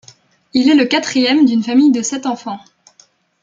Il est le quatrième d’une famille de sept enfants.